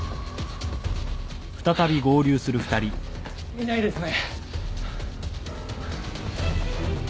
いないですね。